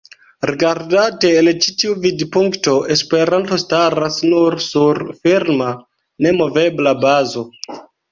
Rigardate el ĉi tiu vidpunkto, Esperanto staras nun sur firma, nemovebla bazo.